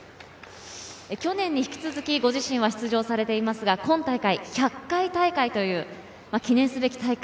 去年に引き続き、ご自身は出場されていますが、今大会１００回大会という記念すべき大会。